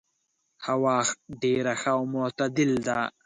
هوا ډېر ښه او معتدل ده.